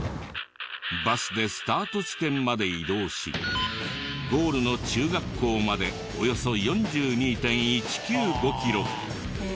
バスでスタート地点まで移動しゴールの中学校までおよそ４２．１９５キロ。